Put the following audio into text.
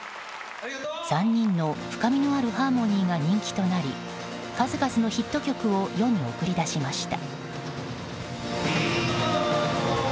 ３人の深みのあるハーモニーが人気となり数々のヒット曲を世に送り出しました。